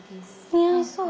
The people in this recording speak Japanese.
似合いそう。